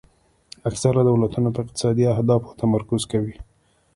اکثره دولتونه په اقتصادي اهدافو تمرکز کوي